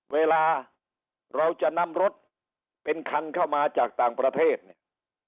เวลาเราจะนำรถเป็นคันเข้ามาจากต่างประเทศเนี่ย